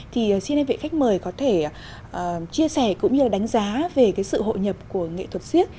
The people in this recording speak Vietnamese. thì xin em vị khách mời có thể chia sẻ cũng như là đánh giá về sự hộ nhập của nghệ thuật siết